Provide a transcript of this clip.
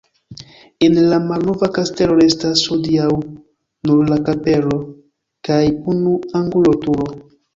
El la malnova kastelo restas hodiaŭ nur la kapelo kaj unu angula turo.